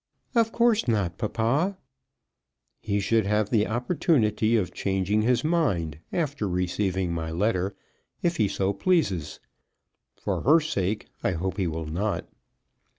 "Of course not, papa." "He should have the opportunity of changing his mind after receiving my letter, if he so pleases. For her sake I hope he will not."